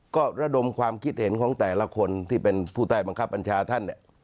ก็ระดมความคิดเห็นของแต่ละคนที่เป็นผู้ใต้บังคับบัญชาท่าน